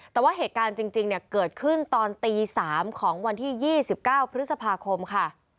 แต่ว่าเหตุการณ์จริงเนี่ยเกิดขึ้นตอนตี๓ของวันที่๒๙พฤษภาคมค่ะ